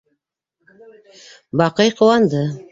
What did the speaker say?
Баҡый ҡыуанды.